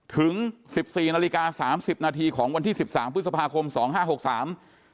ถึง๑๔น๓๐นของวันที่๑๓พฤษภาคมคือก่อนเจอศพ๑วัน